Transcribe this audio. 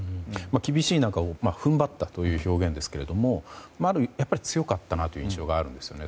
厳しい中、踏ん張ったという表現ですけれどもやはり強かったなという印象があるんですよね。